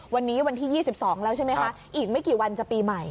วันนี้วันที่๒๒แล้วใช่ไหมคะอีกไม่กี่วันจะปีใหม่